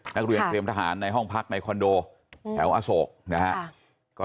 นักรุยันเตรียมทหารในห้องพักใช้คอนโดแถวอโสกนะครับ